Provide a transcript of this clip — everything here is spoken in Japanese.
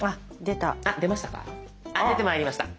出てまいりました。